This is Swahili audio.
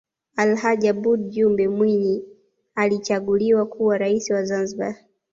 alhaj aboud jumbe mwinyi alichaguliwa kuwa raisi wa zanzibar